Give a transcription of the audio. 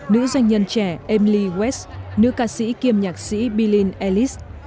nữ doanh nhân trẻ emily west nữ ca sĩ kiêm nhạc sĩ billin ellis